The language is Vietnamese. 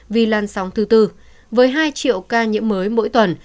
vì lan sóng thứ tư với hai triệu ca nhiễm mới mỗi tuần